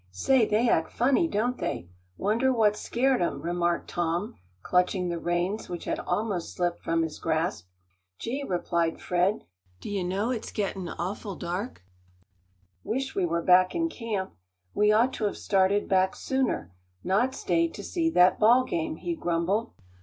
"Say, they act funny, don't they? Wonder what scared 'em," remarked Tom, clutching the reins which had almost slipped from his grasp. "Gee," replied Fred, "do you know it's gettin' awful dark; wish we were back in camp. We ought to have started back sooner, not stayed to see that ball game," he grumbled.